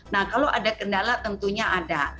nah kalau ada kendala tentunya ada